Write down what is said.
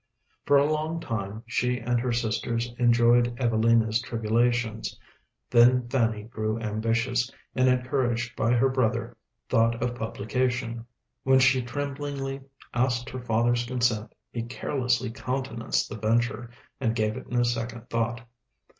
For a long time she and her sisters enjoyed Evelina's tribulations; then Fanny grew ambitious, and encouraged by her brother, thought of publication. When she tremblingly asked her father's consent, he carelessly countenanced the venture and gave it no second thought.